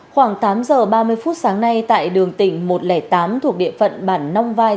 khoảng tám giờ ba mươi phút sáng nay tại đường tỉnh một trăm linh tám thuộc địa phận bản nong vai